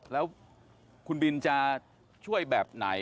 แล้วคุณบินจะช่วยแบบไหน